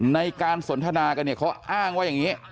ในการสนทนากันเนี่ยเขาอ้างว่าอย่างนี้